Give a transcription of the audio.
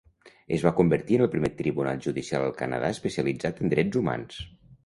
Es va convertir en el primer tribunal judicial al Canadà especialitzat en drets humans.